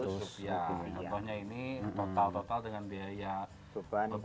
contohnya ini total total dengan biaya beban rp empat